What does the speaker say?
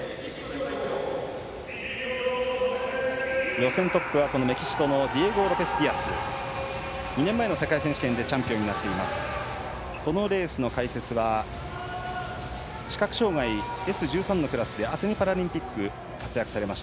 予選トップは、メキシコのディエゴ・ロペスディアス。２年前の世界選手権でチャンピオンになっています。